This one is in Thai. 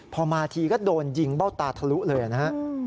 พอมาทีก็โดนยิงเบ้าตาทะลุเลยนะฮะ